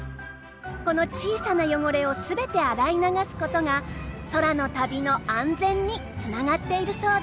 この小さな汚れを全て洗い流すことが空の旅の安全につながっているそうです。